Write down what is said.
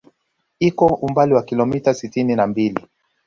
Iko umbali wa kilomita sitini na mbili